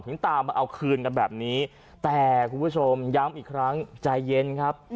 ตามมาเอาคืนกันแบบนี้แต่คุณผู้ชมย้ำอีกครั้งใจเย็นครับ